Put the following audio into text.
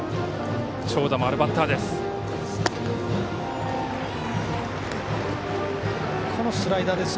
長打もあるバッターです。